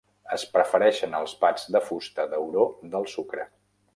Es prefereixen els bats de fusta d'auró del sucre.